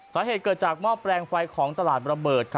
สาเหตุเกิดจากหม้อแปลงไฟของตลาดระเบิด